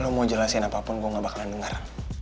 lo mau jelasin apapun gue gak bakalan dengar